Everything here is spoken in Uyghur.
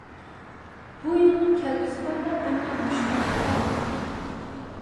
بۇ يولنىڭ كەلگۈسى پارلاق، ئەمما مۈشكۈل، جاپالىق.